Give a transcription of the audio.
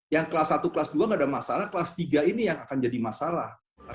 yang kelas satu kelas dua gak ada masalah kelas tiga ini yang akan jadi masalah